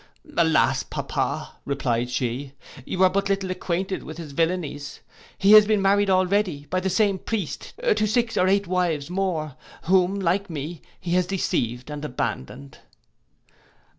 'Alas, Papa,' replied she, 'you are but little acquainted with his villainies: he has been married already, by the same priest, to six or eight wives more, whom, like me, he has deceived and abandoned.